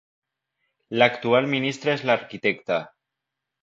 La actual ministra es la Arq.